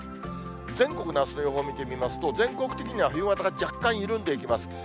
全国のあすの予報を見てみますと、全国的には冬型が若干緩んでいきます。